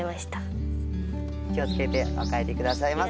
気を付けてお帰り下さいませ。